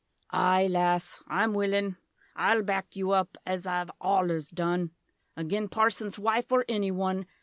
Aye lass I'm willin' I'll back you up as I've allers done, Agen Parson's wife or anyone.